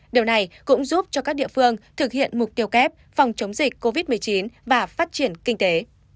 điều này cũng giúp cho các địa phương thực hiện mục tiêu kép phòng chống dịch covid một mươi chín và phát triển kinh tế